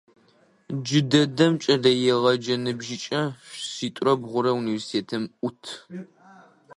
Джыдэдэм кӏэлэегъэджэ ныбжьыкӏэ шъитӏурэ бгъурэ университетым ӏут.